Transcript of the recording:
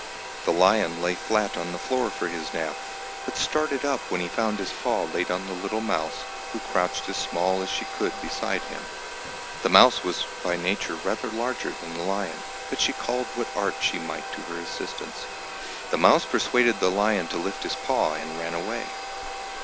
The lion lay flat on the floor for his nap, but started up when he found his paw laid on the little mouse, who crouched as small as she could beside him. (The mouse was by nature rather larger than the lion, but she called what art she might to her assistance.) The mouse persuaded the lion to lift his paw, and ran away.